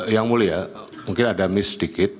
yang mulia mungkin ada miss sedikit